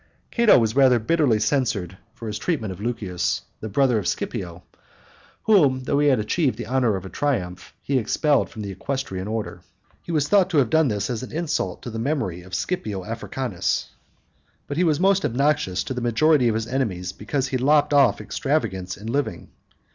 Cato was rather bitterly censured for his treatment. of Lucius, the brother. of Scipio, whom, though he had achieved the honour of a triumph, he ,expelled from the equestrian order. He _ was thought to have done this as an insult to the memory of Scipio Africanus. But he was most obnoxious to the majority of his enemies because he lopped off extravagance in living.